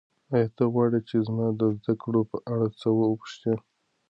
ایا ته غواړې چې زما د زده کړو په اړه څه وپوښتې؟